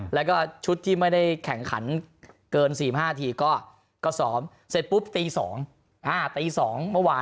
และชุดไม่ได้แข่งขันเกินสี่ห้าทีก็สอบ